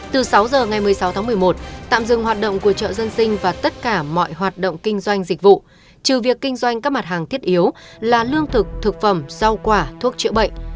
từ sáu giờ ngày một mươi sáu tháng một mươi một tạm dừng hoạt động của chợ dân sinh và tất cả mọi hoạt động kinh doanh dịch vụ trừ việc kinh doanh các mặt hàng thiết yếu là lương thực thực phẩm rau quả thuốc chữa bệnh